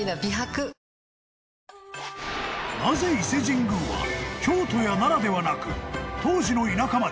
なぜ伊勢神宮は京都や奈良ではなく当時の田舎町